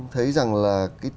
thấy rằng là